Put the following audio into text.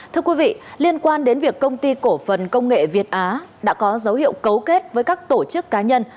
thưa quý vị liên quan đến việc công ty cổ phần công nghệ việt á đã có dấu hiệu cấu kết với các tổ chức cá nhân